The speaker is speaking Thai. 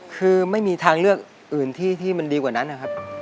คือไม่มีทางเลือกอื่นที่มันดีกว่านั้นนะครับ